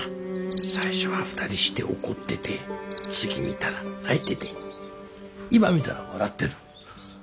最初は２人して怒ってて次見たら泣いてて今見たら笑ってる。